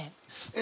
え